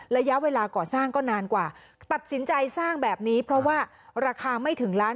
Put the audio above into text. ระยะเวลาก่อสร้างก็นานกว่าตัดสินใจสร้างแบบนี้เพราะว่าราคาไม่ถึงล้าน